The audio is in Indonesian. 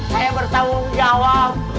saya bertawang jawab